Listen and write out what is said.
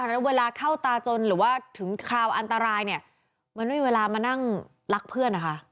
แล้วเวลาเข้าตาจนหรือว่าถึงคราวอันตรายเนี่ยมันไม่มีเวลามานั่งรักเพื่อนนะคะ